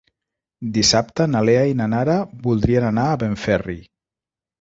Dissabte na Lea i na Nara voldrien anar a Benferri.